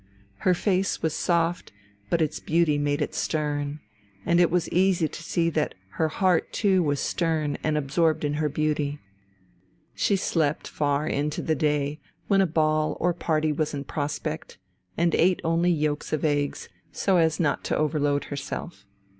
Her face was soft, but its beauty made it stern, and it was easy to see that her heart too was stern and absorbed in her beauty. She slept far into the day when a ball or party was in prospect, and ate only yolks of eggs, so as not to overload herself.